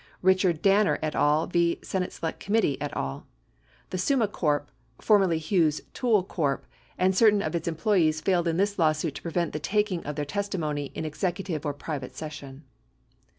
Richard Danner, et al. v. Senate Select Committee, et add The Summa Corp. (formerly the Hughes Tool Co.) and certain of its employees failed in this lawsuit to prevent the taking of their testimony in executive or private session.